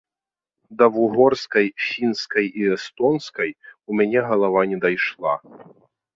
Да вугорскай, фінскай і эстонскай у мяне галава не дайшла.